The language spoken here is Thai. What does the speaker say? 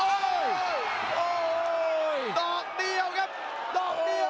โอ้โหดอกเดียวครับดอกเดียว